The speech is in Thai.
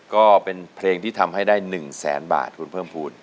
ก็เป็นเพลงที่ทำให้ได้๑แสนบาทคุณเพิ่มภูมิ